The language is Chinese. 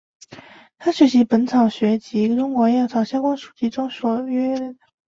他学习本草学及中国药草相关书籍中所列约两千种植物特性。